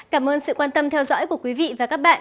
cảm ơn sự quan tâm theo dõi của quý vị và các bạn